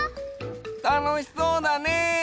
たのしそうだねえ！